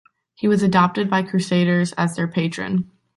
He was adopted by crusaders as their patron.